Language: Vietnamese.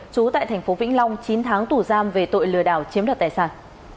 trú tại thành phố vĩnh long chín tháng tù giam về tội lừa đảo chiếm đoạt tài sản